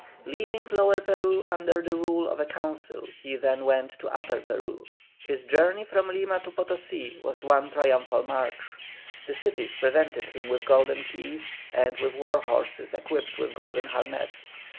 Leaving Lower Peru under the rule of a Council he then went to Upper Peru. His journey from Lima to Potosí was one triumphal march. The cities presented him with golden keys, and with war horses equipped with golden harness.